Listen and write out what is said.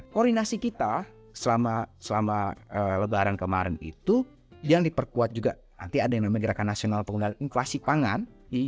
koordinasi kita selama lebaran kemarin itu yang diperkuat juga nanti ada yang namanya gerakan nasional penggunaan inflasi pangan